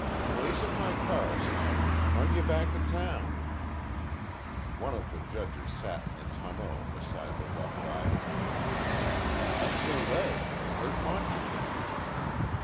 "Place in my car, son. Run you back to town." One of the judges sat in the tonneau beside the rough rider. "How's the leg? Hurt much?"